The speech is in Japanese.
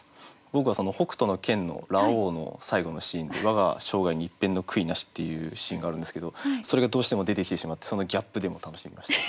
僕は「北斗の拳」のラオウの最後のシーンで「わが生涯に一片の悔いなし！！」っていうシーンがあるんですけどそれがどうしても出てきてしまってそのギャップでも楽しめました。